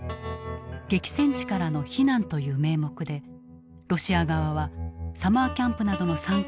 激戦地からの避難という名目でロシア側はサマーキャンプなどの参加を呼びかける。